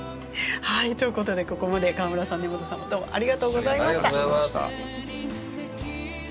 ということでここまで川村さん根本さんどうもありがとうございました。